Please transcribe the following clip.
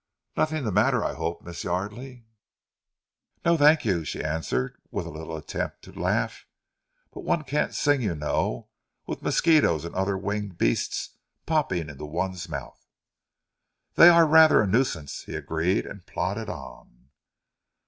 "Nothing the matter, I hope, Miss Yardely?" "No, thank you," she answered with a little attempt to laugh; "but one can't sing, you know, with mosquitoes and other winged beasts popping into one's mouth." "They are rather a nuisance," he agreed and plodded on.